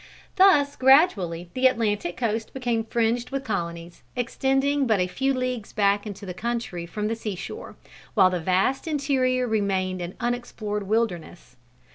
Thus gradually the Atlantic coast became fringed with colonies, extending but a few leagues back into the country from the sea shore, while the vast interior remained an unexplored wilderness.